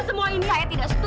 saya ingin menyakaikan prosto